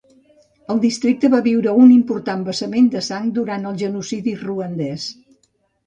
El districte va viure un important vessament de sang durant el genocidi ruandès.